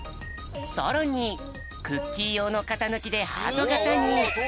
さらにクッキーようのかたぬきでハートがたに。